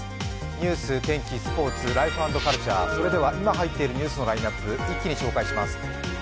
ニュース、天気、スポーツ、ライフ＆カルチャーそれでは今入っているニュースのラインナップ、一気に御紹介します。